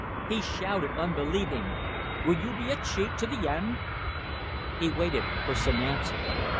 He shouted unbelieving: "Will you be a cheat to the end?" He waited for some answer.